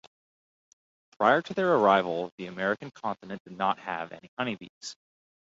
Prior to their arrival, the American continent did not have any honey bees.